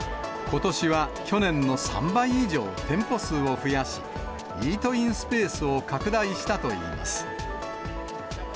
ことしは去年の３倍以上、店舗数を増やし、イートインスペースを拡大したといいます。